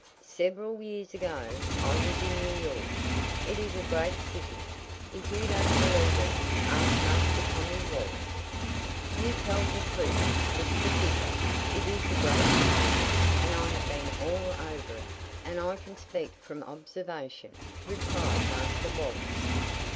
Several years ago I was in New York. It is a great city; if you don't believe it, ask Master Tommy Woggs." "You tell the truth, Mr. Fiddler. It is a great city, and I have been all over it, and can speak from observation," replied Master Woggs.